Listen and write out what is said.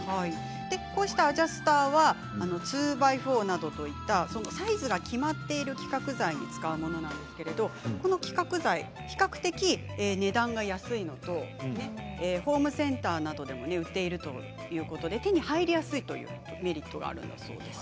こうしたアジャスターはツーバイフォーなどといったサイズが決まっている規格材に使うものなんですけれどもこの規格材、比較的値段が安いのとホームセンターなどでも売っているということで手に入りやすいというメリットがあるんだそうです。